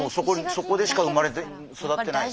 そこでしか生まれて育ってない。